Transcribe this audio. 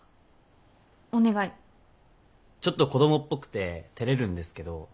ちょっと子供っぽくて照れるんですけど。